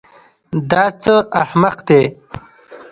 دا څه احمق دی.